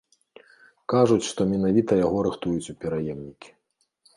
Кажуць, што менавіта яго рыхтуюць у пераемнікі.